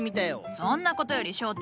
そんなことより翔太